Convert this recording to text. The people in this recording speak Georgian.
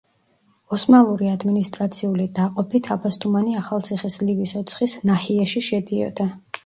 ოსმალური ადმინისტრაციული დაყოფით აბასთუმანი ახალციხის ლივის ოცხის ნაჰიეში შედიოდა.